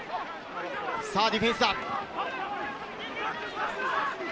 さぁディフェンスだ。